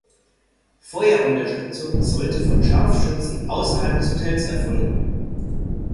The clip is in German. Feuerunterstützung sollte von Scharfschützen außerhalb des Hotels erfolgen.